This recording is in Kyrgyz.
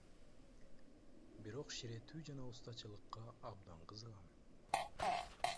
Бирок ширетүү жана устачылыкка абдан кызыгам.